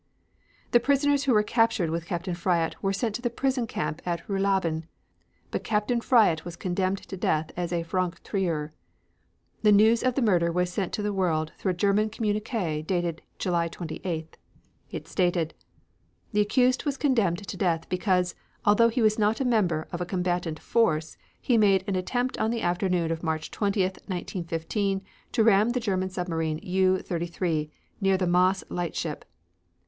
The prisoners who were captured with Captain Fryatt were sent to the prison camp at Ruhlaben, but Captain Fryatt was condemned to death as a "franc tireur." The news of the murder was sent to the world through a German communique dated July 28th. It stated: The accused was condemned to death because, although he was not a member of a combatant force, he made an attempt on the afternoon of March 20, 1915, to ram the German submarine U 33 near the Maas lightship.